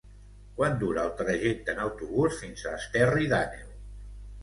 Quant dura el trajecte en autobús fins a Esterri d'Àneu?